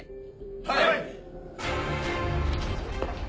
はい！